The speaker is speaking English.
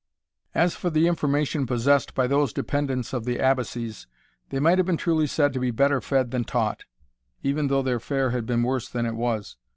As for the information possessed by those dependents of the Abbacies, they might have been truly said to be better fed than taught, even though their fare had been worse than it was.